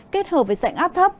kết hợp với sạch áp thấp